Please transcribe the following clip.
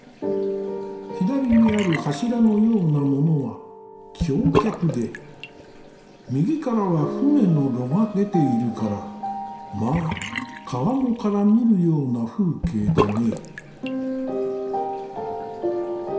左にある柱のようなものは橋脚で右からは舟の櫓が出ているからまあ川面から見るような風景だね。